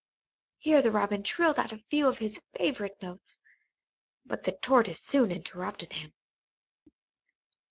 Here the Robin trilled out a few of his favourite notes, but the Tortoise soon interrupted him.